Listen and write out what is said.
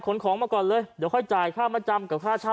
ของมาก่อนเลยเดี๋ยวค่อยจ่ายค่ามาจำกับค่าเช่า